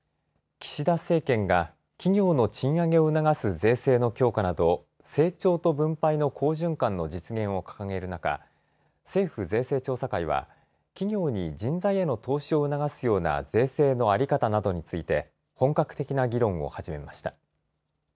岸田政権が企業の賃上げを促す税制の強化など成長と分配の好循環の実現を掲げる中、政府税制調査会は企業に人材への投資を促すような税制の在り方などについて本格的な議論を始めました。